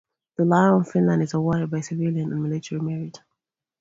The Lion of Finland is awarded for civilian and military merit.